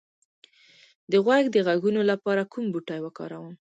د غوږ د غږونو لپاره کوم بوټی وکاروم؟